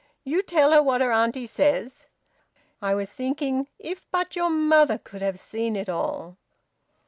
You tell her what her auntie says... I was thinking if but your mother could have seen it all!"